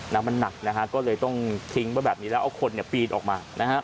น้ำมันหนักก็เลยต้องทิ้งแบบนี้แล้วเอาคนปีดออกมา